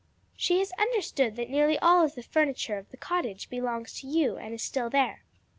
She has understood that nearly all the furniture of the cottage belongs to you and is still there."